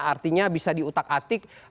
artinya bisa diutak atik